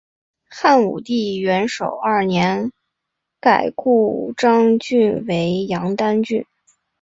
汉武帝元狩二年改故鄣郡为丹阳郡。